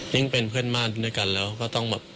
เป็นเพื่อนบ้านด้วยกันแล้วก็ต้องแบบ